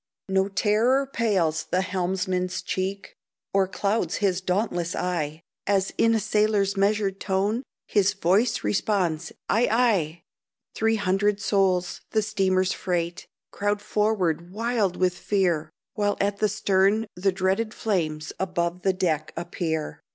No terror pales the helmsman's cheek, Or clouds his dauntless eye, As, in a sailor's measured tone, His voice responds, "Ay! ay!" Three hundred souls, the steamer's freight, Crowd forward wild with fear, While at the stern the dreaded flames Above the deck appear.